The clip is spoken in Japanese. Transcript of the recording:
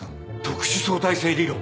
特殊相対性理論。